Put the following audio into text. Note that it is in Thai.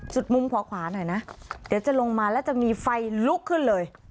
มุมขวาหน่อยนะเดี๋ยวจะลงมาแล้วจะมีไฟลุกขึ้นเลย